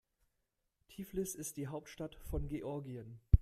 Tiflis ist die Hauptstadt von Georgien.